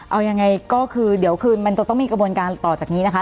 เอายังไงก็คือเดี๋ยวคืนมันจะต้องมีกระบวนการต่อจากนี้นะคะ